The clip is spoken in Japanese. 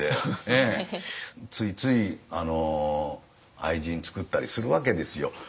ついつい愛人作ったりするわけですよ。